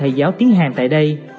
hãy giáo tiếng hàn tại đây